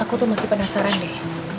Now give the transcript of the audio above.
aku tuh masih penasaran nih